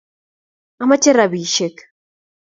Amache rapisiek